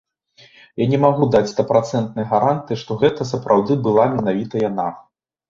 Я не магу даць стапрацэнтнай гарантыі, што гэта сапраўды была менавіта яна.